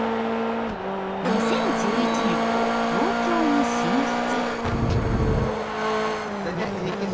２０１１年東京に進出。